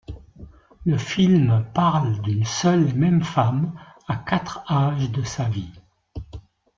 Le film parle d'une seule et même femme, à quatre âges de sa vie.